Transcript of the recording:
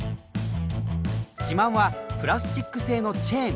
自慢はプラスチック製のチェーン。